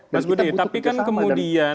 mas budi tapi kan kemudian